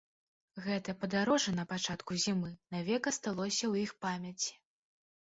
Гэтае падарожжа на пачатку зімы навек асталося ў іх памяці.